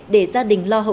để gia đình lo hậu sự